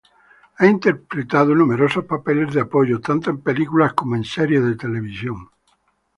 Ha interpretado numerosos papeles de apoyo tanto en películas como en series de televisión.